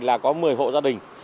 là có một mươi hộ gia đình